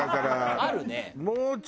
あるね。